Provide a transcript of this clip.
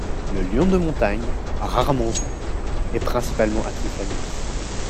Le lion de montagne - rarement vu - est principalement actif la nuit.